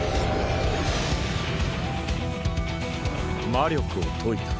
魔力を解いた？